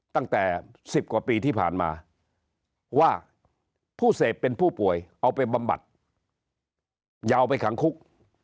ตั้งแต่๑๐กว่าปีที่ผ่านมาว่าผู้เสพเป็นผู้ป่วยเอาไปบำบัดยาวไปขังคุก